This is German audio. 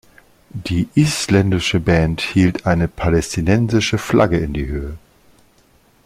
Die isländische Band hielt eine palästinensische Flagge in die Höhe.